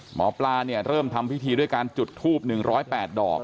หมอปลาเนี่ยเริ่มทำพิธีด้วยการจุดทูบ๑๐๘ดอก